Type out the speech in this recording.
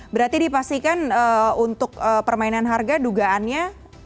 berarti dipastikan untuk permainan harga dugaannya